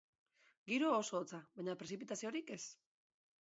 Giro oso hotza, baina prezipitaziorik ez.